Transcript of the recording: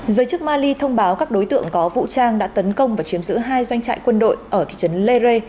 giới chức mali thông báo các đối tượng có vũ trang đã tấn công và chiếm giữ hai doanh trại quân đội ở thị trấn lere